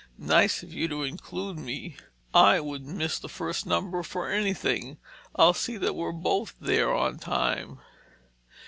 "Nice of you to include me. I wouldn't miss the first number for anything. I'll see that we're both there in time."